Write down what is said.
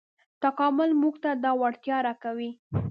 تکامل موږ ته دا وړتیا راکوي.